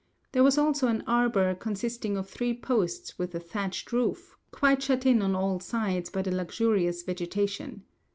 There was also an arbour consisting of three posts with a thatched roof, quite shut in on all sides by the luxurious vegetation.